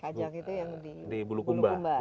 kajang itu yang di bulukumba